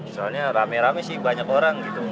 soalnya rame rame sih banyak orang gitu